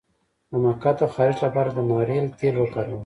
د مقعد د خارش لپاره د ناریل تېل وکاروئ